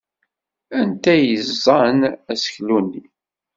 Anta ay yeẓẓan aseklu-nni?